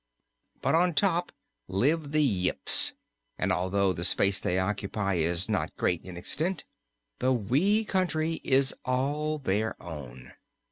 But on top live the Yips, and although the space they occupy is not great in extent, the wee country is all their own.